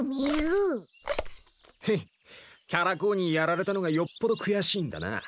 へっキャラ公にやられたのがよっぽど悔しいんだな。